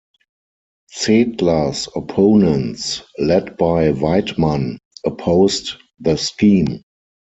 Zedler's opponents, led by Weidmann, opposed the scheme.